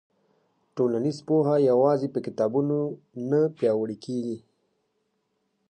ټولنیز پوهه یوازې په کتابونو نه پیاوړې کېږي.